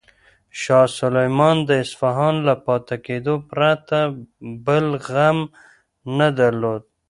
شاه سلیمان د اصفهان له پاتې کېدو پرته بل غم نه درلود.